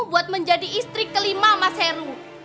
buat menjadi istri kelima mas heru